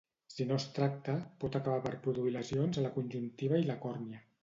Si no es tracta, pot acabar per produir lesions a la conjuntiva i la còrnia.